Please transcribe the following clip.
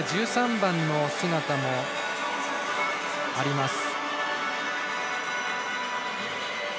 １３番の姿もあります。